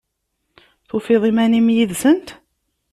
Tufiḍ iman-im yid-sent?